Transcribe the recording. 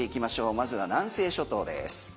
まずは南西諸島です。